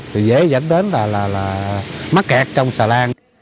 thì dễ dẫn đến là mắc kẹt trong xà lan